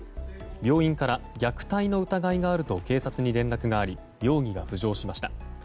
病院から虐待の疑いがあると警察に連絡があり容疑が浮上しました。